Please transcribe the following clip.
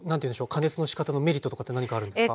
加熱のしかたのメリットとかって何かあるんですか？